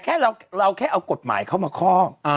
แค่เราแค่เอากฎหมายเข้ามาคอก